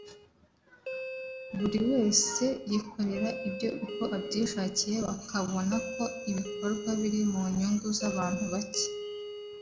buri wese yikorera ibye uko abyishakiye bakabona ibikorwa biri mu nyungu z’abantu bake